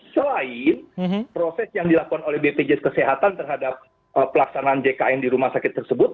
selain proses yang dilakukan oleh bpjs kesehatan terhadap pelaksanaan jkn di rumah sakit tersebut